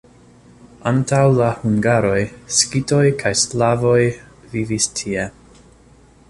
Antaŭ la hungaroj skitoj kaj slavoj vivis tie.